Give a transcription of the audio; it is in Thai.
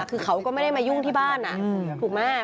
คือเขาก็ไม่ได้มายุ่งที่บ้านถูกไหม